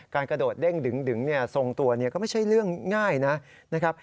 กระโดดเด้งดึงทรงตัวก็ไม่ใช่เรื่องง่ายนะครับ